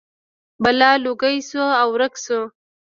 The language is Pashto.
بلا لوګی شو او ورک شو.